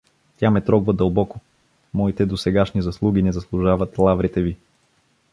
Тя ме трогва дълбоко… Моите досегашни заслуги не заслужават лаврите ви.